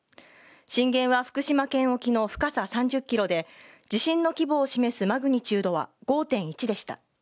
震源は福島県沖の深さ３０ｋｍで地震の規模を示すマグニチュードは５．１でした。